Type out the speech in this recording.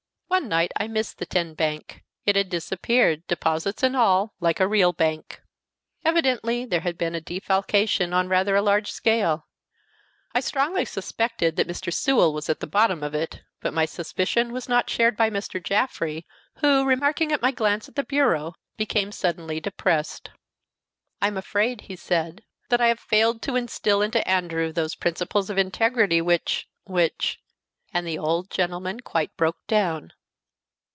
One night I missed the tin bank. It had disappeared, deposits and all, like a real bank. Evidently there had been a defalcation on rather a large scale. I strongly suspected that Mr. Sewell was at the bottom of it, but my suspicion was not shared by Mr. Jaffrey, who, remarking my glance at the bureau, became suddenly depressed. "I'm afraid," he said, "that I have failed to instill into Andrew those principles of integrity which which " and the old gentleman quite broke down.